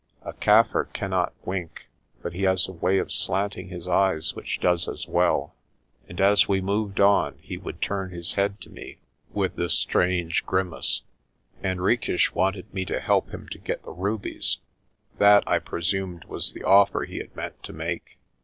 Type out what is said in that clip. A Kaffir cannot wink, but he has a way of slanting his eyes which does as well, and as we moved on he would turn his head to me with this strange grimace. Henriques wanted me to help him to get the rubies that I presumed was the offer he had meant to make.